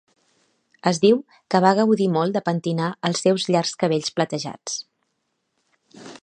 Es diu que va gaudir molt de pentinar els seus llargs cabells platejats.